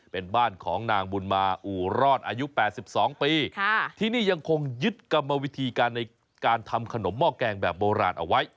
เป็นบ้านของนางบุญมาอู่รอดอายุ๘๒ปีที่นี่ยังคงยึดกรรมวิธีการในการทำขนมหม้อแกงแบบโบราณเอาไว้